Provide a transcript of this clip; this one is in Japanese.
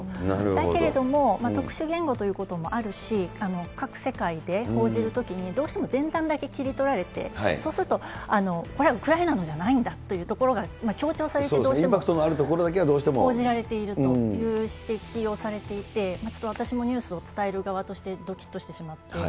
だけれども、特殊言語ということもあるし、各世界で報じるときに、どうしても前段だけ切りとられて、そうすると、これはウクライナのじゃないんだというところが強調されて、インパクトのあるところだけがどうしても。報じられているという指摘をされていて、ちょっと私もニュースを伝える側として、どきっとしてしまって。